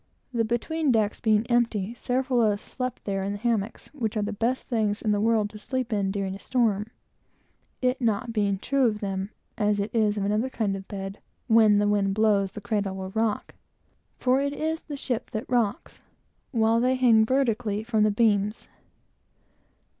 The between decks being empty, several of us slept there in hammocks, which are the best things in the world to sleep in during a storm; it not being true of them, as it is of another kind of bed, "when the wind blows, the cradle will rock;" for it is the ship that rocks, while they always hang vertically from the beams.